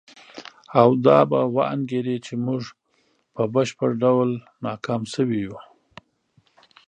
او دا به وانګیري چې موږ په بشپړ ډول ناکام شوي یو.